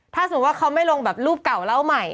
ถ้าสมมุติว่าเขาไม่ลงแบบรูปเก่าเล่าใหม่